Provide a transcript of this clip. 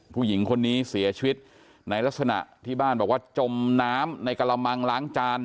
ผู้หญิงคนนี้เสียชีวิตในลักษณะที่บ้านบอกว่าจมน้ำในกระมังล้างจาน